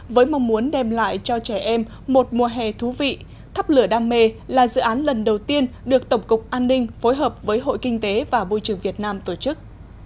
với mong muốn đem lại cho trẻ em một mùa hè thú vị thắp lửa đam mê là dự án lần đầu tiên được tổng cục an ninh phối hợp với hội kinh tế và bôi trường việt nam tổ chức